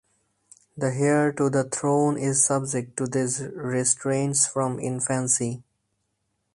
The heir to the throne is subject to these restraints from infancy.